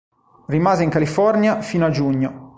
Rimase in California fino a giugno.